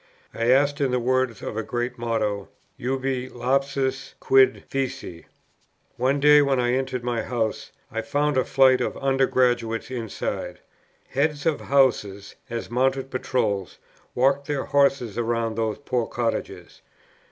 I asked, in the words of a great motto, "Ubi lapsus? quid feci?" One day when I entered my house, I found a flight of Under graduates inside. Heads of Houses, as mounted patrols, walked their horses round those poor cottages.